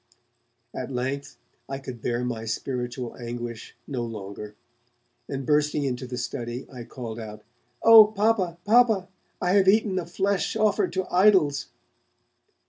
At length I could bear my spiritual anguish no longer, and bursting into the study I called out: 'Oh! Papa, Papa, I have eaten of flesh offered to idols!'